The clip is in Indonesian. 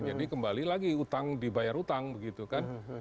jadi kembali lagi utang dibayar utang begitu kan